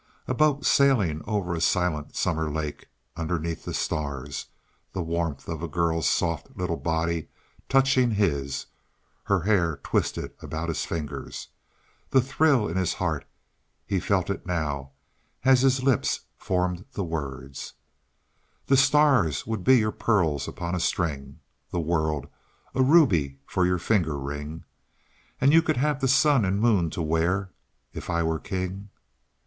A boat sailing over a silent summer lake underneath the stars the warmth of a girl's soft little body touching his her hair, twisted about his fingers the thrill in his heart; he felt it now as his lips formed the words: "The stars would be your pearls upon a string, The world a ruby for your finger ring, And you could have the sun and moon to wear, If I were king."